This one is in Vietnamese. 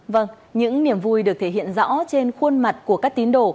vâng những niềm vui được thể hiện rõ trên khuôn mặt của các tín đồ